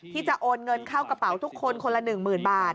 ที่จะโอนเงินเข้ากระเป๋าทุกคนคนละ๑๐๐๐บาท